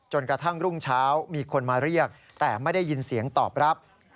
กระทั่งรุ่งเช้ามีคนมาเรียกแต่ไม่ได้ยินเสียงตอบรับ